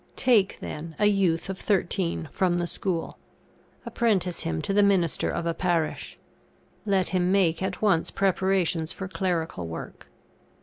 Take, then, a youth of thirteen from the school. Apprentice him to the minister of a parish. Let him make at once preparations for clerical work.